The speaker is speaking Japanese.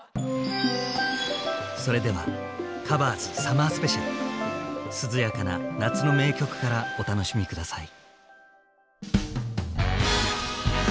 それでは「ｔｈｅＣｏｖｅｒｓサマースペシャル」涼やかな夏の名曲からお楽しみ下さい。